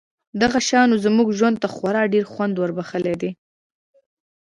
دغو شیانو زموږ ژوند ته خورا ډېر خوند وربښلی دی